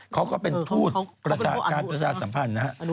เขาก็เป็นทูตประชาการประชาสัมพันธ์นะฮะ